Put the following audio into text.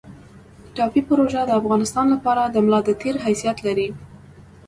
ټاپي پروژه د افغانستان لپاره د ملا د تیر حیثیت لري